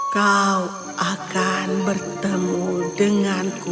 kau akan bertemu denganku